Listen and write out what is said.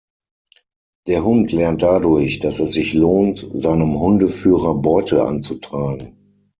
Der Hund lernt dadurch, dass es sich lohnt, seinem Hundeführer Beute anzutragen.